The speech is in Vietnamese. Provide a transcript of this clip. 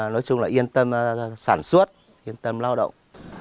nói chung là yên tâm sản xuất yên tâm lao động